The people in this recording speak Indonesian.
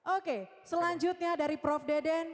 oke selanjutnya dari prof deden